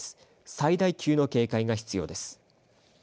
最大級の警戒が必要です。